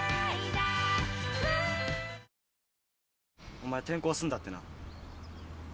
お前転校すんだってな。